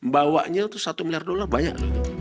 bawanya itu satu miliar dolar banyak